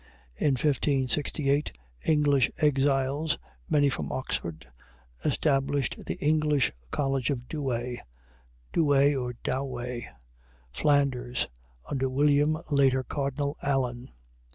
In 1568 English exiles, many from Oxford, established the English College of Douay (Douai/Doway), Flanders, under William (later Cardinal) Allen.